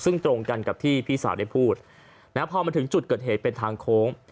ซึ่งตรงกันกับที่พี่สาวได้พูดนะพอมาถึงจุดเกิดเหตุเป็นทางโค้ง